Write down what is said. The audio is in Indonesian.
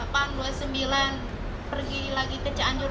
pergi lagi ke cianjur